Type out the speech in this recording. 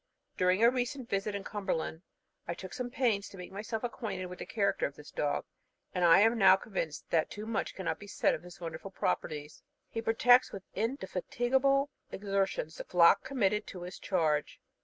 During a recent visit in Cumberland, I took some pains to make myself acquainted with the character of this dog, and I am now convinced that too much cannot be said of his wonderful properties. He protects with indefatigable exertions the flock committed to his charge.